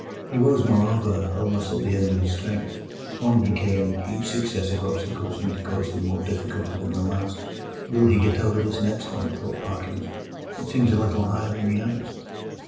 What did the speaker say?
He was, moreover, almost at the end of his strength. On he came; each successive obstacle seemed to cause him more difficulty than the last. "Will he get over this next one?" thought Parkins; "it seems a little higher than the others."